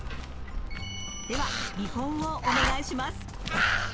では見本をお願いします。